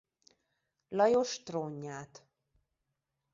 Lajos trónját.